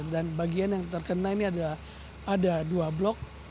dan bagian yang terkena ini adalah ada dua blok